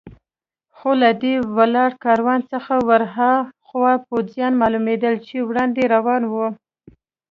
خو له دې ولاړ کاروان څخه ور هاخوا پوځیان معلومېدل چې وړاندې روان و.